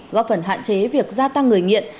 góp phần hạn chế việc gia tăng người nghiện